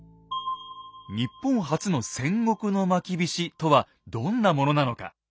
日本初の戦国のまきびしとはどんなものなのか。